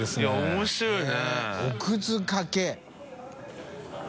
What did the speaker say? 面白いよね。